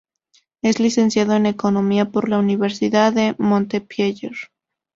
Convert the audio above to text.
Es licenciado en Economía por la Universidad de Montpellier.